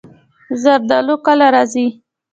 زردالو کله راځي؟